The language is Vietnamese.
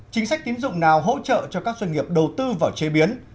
chính sách tín dụng nào hỗ trợ cho các doanh nghiệp đầu tư vào chế biến